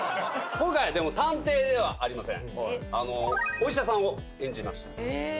今回はでも探偵ではありませんお医者さんを演じましたええー